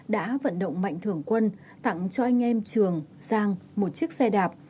đã vận động mạnh thường quân tặng cho anh em trường giang một chiếc xe đạp